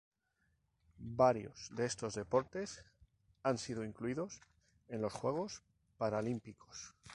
Varios de estos deportes han sido incluidos en los Juegos Paralímpicos.